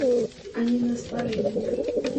А не на стварэнне.